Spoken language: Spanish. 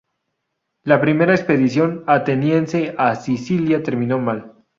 La primera expedición ateniense a Sicilia terminó mal.